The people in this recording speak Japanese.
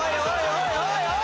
おいおいおい！